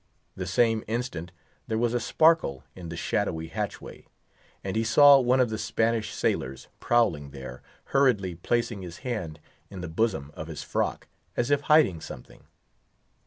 The same instant there was a sparkle in the shadowy hatchway, and he saw one of the Spanish sailors, prowling there hurriedly placing his hand in the bosom of his frock, as if hiding something.